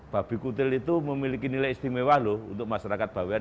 babi kutil itu memiliki nilai istimewa loh untuk masyarakat bawean